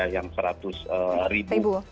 yang seratus ribu